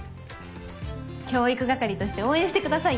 教育係として応援してくださいよ。